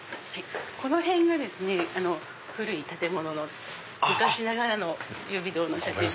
この辺がですね古い建物の昔ながらの優美堂の写真。